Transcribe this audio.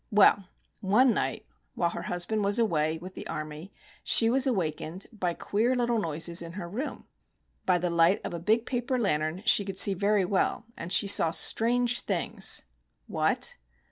Well, one night while her husband was away with the army, she was awakened by queer little noises in her room. By the light of a big paper lantern she could see very well; and she saw strange things. What?